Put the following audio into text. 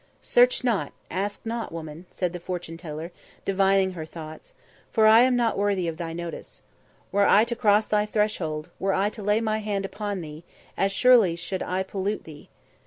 "Search not, ask not, woman," said the fortune teller, divining her thoughts, "for I am not worthy of thy notice. Were I to cross thy threshold, were I to lay my hand upon thee, as surely should I pollute thee.